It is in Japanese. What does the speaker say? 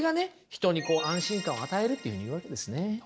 人にこう安心感を与えるというふうに言うわけですね。